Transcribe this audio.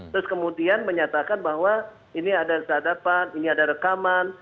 terus kemudian menyatakan bahwa ini ada sadapan ini ada rekaman